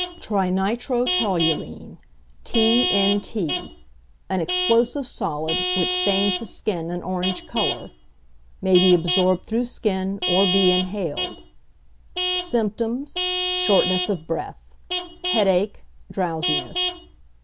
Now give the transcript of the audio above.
=Trinitrotoluene (T.N.T.).= An explosive solid which stains the skin an orange colour; may be absorbed through skin or be inhaled. Symptoms. Shortness of breath, headache, drowsiness.